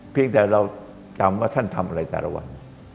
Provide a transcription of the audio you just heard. เพียงแต่เราทำเช่นที่ท่านทำอะไรต่างส่วน